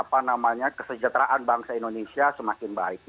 bagaimana kesejahteraan bangsa indonesia semakin baik